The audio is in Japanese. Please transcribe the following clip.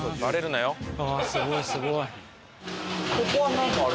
うわすごいすごい。